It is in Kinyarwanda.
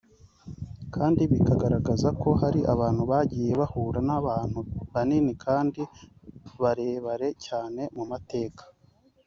kandi bikagaragaza ko hari abantu bagiye bahura n’abantu banini kandi barebere cyane mu mateka